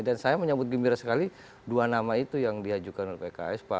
dan saya menyambut gembira sekali dua nama itu yang diajukan oleh pks